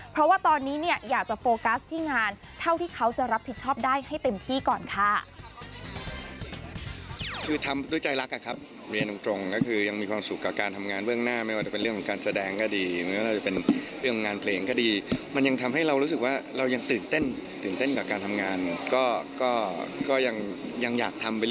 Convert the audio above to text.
เพราะว่าตอนนี้เนี่ยอยากจะโฟกัสที่งานเท่าที่เขาจะรับผิดชอบได้ให้เต็มที่ก่อนค่ะ